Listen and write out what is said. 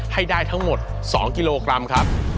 ให้ได้ทั้งหมด๒กิโลกรัมครับ